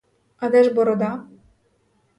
А де ж борода?